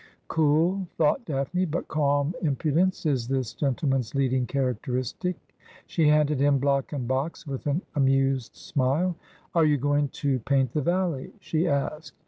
' Cool,' thought Daphne. ' But calm impudence is this gen tleman's leading characteristic' She handed him block and box with an amused smile. ' Are you going to paint the valley ?' she asked.